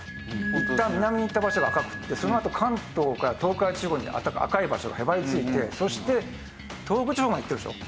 いったん南にいった場所が赤くてそのあと関東から東海地方に赤い場所がへばりついてそして東北地方までいってるでしょ。